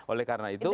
oleh karena itu